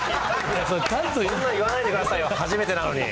そんなこと言わないでくださいよ、初めてなのに。